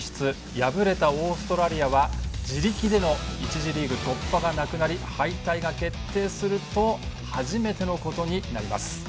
敗れたオーストラリアは自力での１次リーグ突破がなくなり敗退が決定すると初めてのことになります。